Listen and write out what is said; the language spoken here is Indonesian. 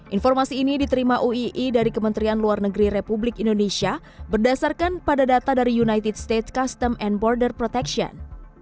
informasi ini diterima uii dari kementerian luar negeri republik indonesia berdasarkan pada data dari united state custom and border protection